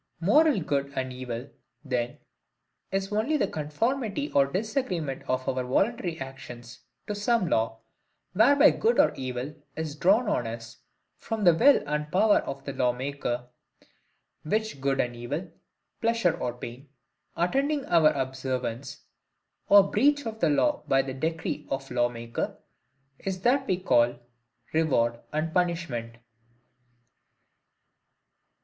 MORAL GOOD AND EVIL, then, is only THE CONFORMITY OR DISAGREEMENT OF OUR VOLUNTARY ACTIONS TO SOME LAW, WHEREBY GOOD OR EVIL IS DRAWN ON US, FROM THE WILL AND POWER OF THE LAW MAKER; which good and evil, pleasure or pain, attending our observance or breach of the law by the decree of the law maker, is that we call REWARD and PUNISHMENT.